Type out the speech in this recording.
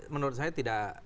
menurut saya tidak